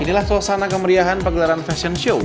inilah suasana kemeriahan pegelaran fashion show